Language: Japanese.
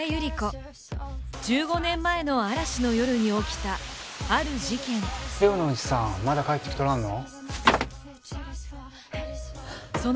１５年前の嵐の夜に起きたある事件・寮のおじさんまだ帰ってきとらんの？